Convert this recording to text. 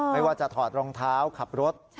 ไม่ว่าจะถอดรองเท้าขับรถ